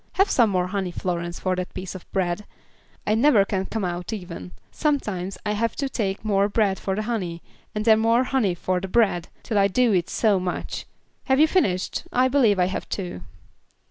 Have some more honey, Florence, for that piece of bread. I never can come out even; sometimes I have to take more bread for the honey, and then more honey for the bread, till I do eat so much. Have you finished? I believe I have too."